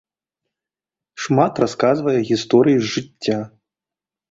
Шмат расказвае гісторый з жыцця.